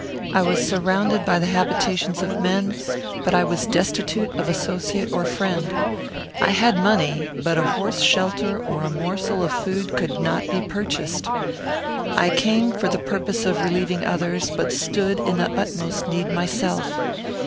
I was surrounded by the habitations of men; but I was destitute of associate or friend. I had money, but a horse shelter, or a morsel of food, could not be purchased. I came for the purpose of relieving others, but stood in the utmost need myself.